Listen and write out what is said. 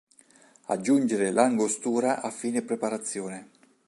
Aggiungere l'Angostura a fine preparazione.